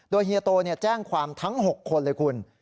โดยเฮียโตแจ้งความทั้ง๖คนเลยคุณ